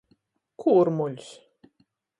Kūrmuļs.